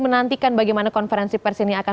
menantikan bagaimana konferensi persiden yang akan